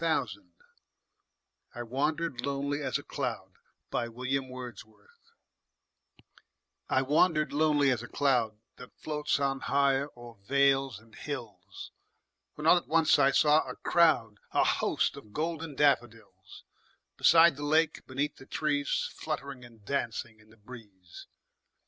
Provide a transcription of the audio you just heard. William Wordsworth I Wandered Lonely As a Cloud I WANDERED lonely as a cloud That floats on high o'er vales and hills, When all at once I saw a crowd, A host, of golden daffodils; Beside the lake, beneath the trees, Fluttering and dancing in the breeze.